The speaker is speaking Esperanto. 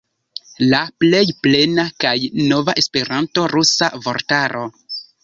La plej plena kaj nova esperanto-rusa vortaro.